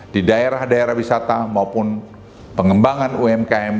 di daerah daerah wisata maupun pengembangan umkm